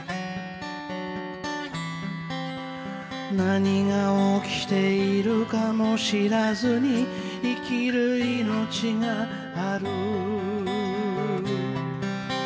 「何が起きているかも知らずに生きる生命がある」